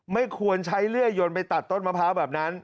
ไม่ควรใช้เลื่อยยนไปตัดต้นมะพร้าวแบบนั้น